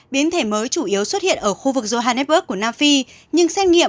biến thể mới chủ yếu xuất hiện ở khu vực johanneberg của nam phi nhưng xét nghiệm